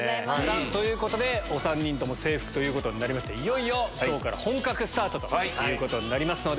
ということでお３人とも制服ということになりましていよいよ。ということになりますので。